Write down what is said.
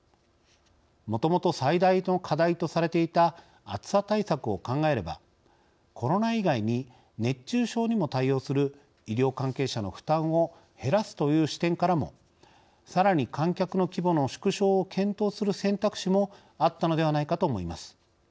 もともと最大の課題とされていた暑さ対策を考えればコロナ以外に熱中症にも対応する医療関係者の負担を減らすという視点からもさらに観客の規模の縮小を検討する選択肢もあったのではないかと思います。